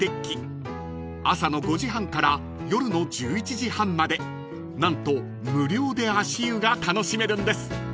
［朝の５時半から夜の１１時半まで何と無料で足湯が楽しめるんです］